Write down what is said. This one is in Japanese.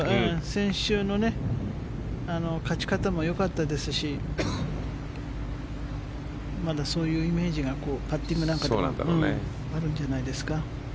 先週の勝ち方も良かったですしまだそういうイメージがパッティングなんかでもあるんじゃないですか。